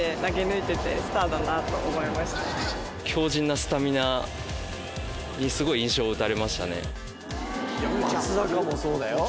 強靭なスタミナにすごい印象を打たれましたね。